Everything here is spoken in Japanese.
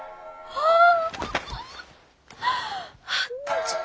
ああ！